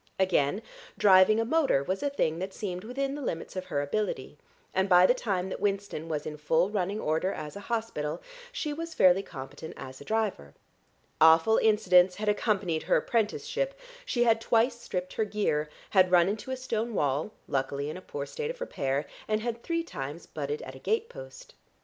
Again, driving a motor was a thing that seemed within the limits of her ability, and by the time that Winston was in full running order as a hospital she was fairly competent as a driver. Awful incidents had accompanied her apprenticeship; she had twice stripped her gear, had run into a stone wall, luckily in a poor state of repair, and had three times butted at a gate post.